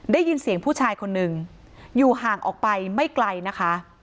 ได้ยินเสียงผู้ชายคนหนึ่งอยู่ห่างออกไปไม่ไกลนะคะ